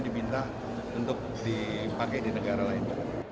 diminta untuk dipakai di negara lain